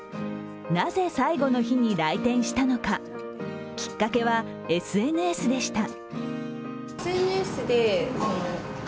なぜ最後の日の来店したのか、きっかけはＳＮＳでした。